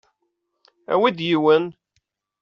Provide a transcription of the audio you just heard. Awi-d yiwen.